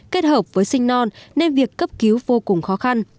kết hợp với sinh non nên việc cấp cứu vô cùng khó khăn